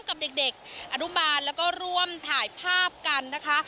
กับเด็กอนุบาลแล้วก็ร่วมถ่ายภาพกันนะคะ